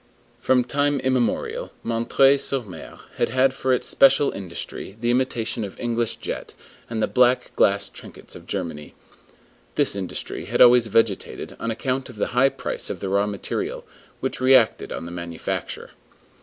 From time immemorial, M. sur M. had had for its special industry the imitation of English jet and the black glass trinkets of Germany. This industry had always vegetated, on account of the high price of the raw material, which reacted on the manufacture.